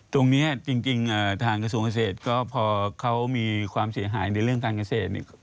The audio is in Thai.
ตรงนี้จริงทางกระทรวงเกษตรก็พอเขามีความเสียหายในเรื่องการเกษตรเนี่ย